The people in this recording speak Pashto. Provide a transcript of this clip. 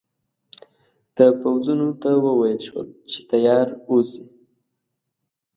د پوځونو ته وویل شول چې تیار اوسي.